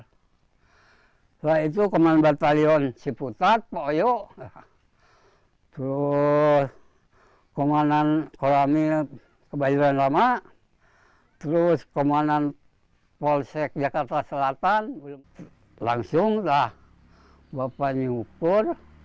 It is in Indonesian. setelah itu keman batalion siputat pak oyo terus kemanan koramil kebajeran rama terus kemanan polsek jakarta selatan langsung lah bapaknya ukur